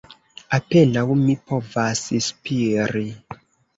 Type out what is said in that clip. "Apenaŭ mi povas spiri.